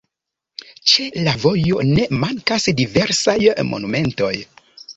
Ĉe la vojo ne mankas diversaj monumentoj.